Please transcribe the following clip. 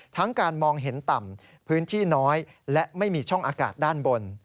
การมองเห็นต่ำพื้นที่น้อยและไม่มีช่องอากาศด้านบน